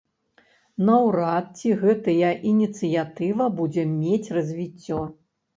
Наўрад ці гэтая ініцыятыва будзе мець развіццё.